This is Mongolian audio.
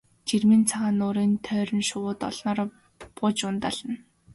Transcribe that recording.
Жирмийн цагаан нуурын тойрон шувууд олноороо бууж ундаална.